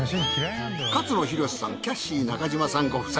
勝野洋さんキャシー中島さんご夫妻。